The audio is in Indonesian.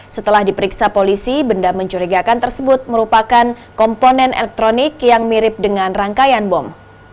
setelah diperiksa polisi benda mencurigakan tersebut merupakan komponen elektronik yang mirip dengan rangkaian bom